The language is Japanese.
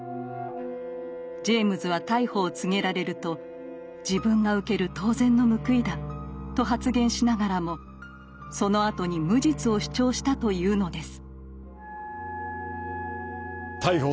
ジェイムズは逮捕を告げられると「自分が受ける当然の報いだ」と発言しながらもそのあとに無実を主張したというのです。